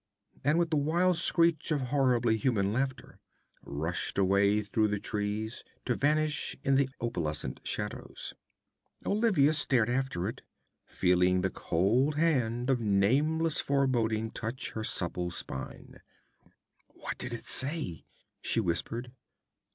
_' and with a wild screech of horribly human laughter, rushed away through the trees to vanish in the opalescent shadows. Olivia stared after it, feeling the cold hand of nameless foreboding touch her supple spine. 'What did it say?' she whispered.